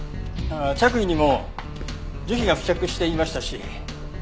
着衣にも樹皮が付着していましたし。